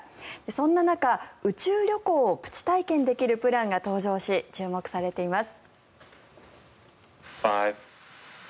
そんな中、宇宙旅行をプチ体験できるプランが登場し注目されています。